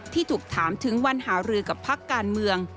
ที่ถูกถามถึงวันหารือกับพักการเมือง